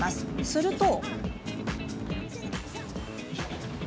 すると。